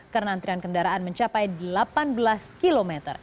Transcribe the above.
karena antrian kendaraan mencapai delapan belas km